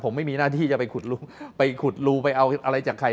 ผมไม่มีหน้าที่จะไปขุดลงไปขุดรูไปเอาอะไรจากใคร